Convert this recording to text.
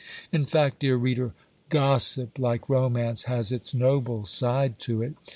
In fact, dear reader, gossip, like romance, has its noble side to it.